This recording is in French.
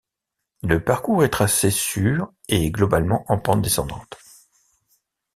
La parcours est tracé sur et globalement en pente descendente.